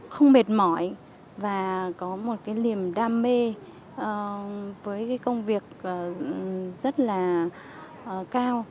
không mệt mỏi và có một cái niềm đam mê với cái công việc rất là cao